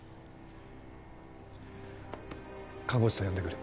看護師さん呼んでくる。